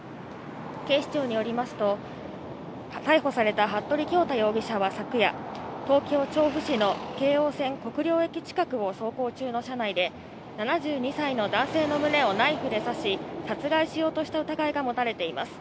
警視庁によりますと、逮捕された服部恭太容疑者は昨夜、東京・調布市の京王線国領駅近くを走行中の車内で、７２歳の男性の胸をナイフで刺し、殺害しようとした疑いが持たれています。